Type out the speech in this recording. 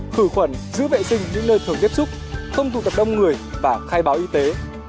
khử khuẩn giữ vệ sinh những nơi thường tiếp xúc không tụ tập đông người và khai báo y tế